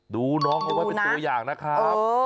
ดูน้องเขาไว้เป็นตัวอย่างนะครับดูนะเออ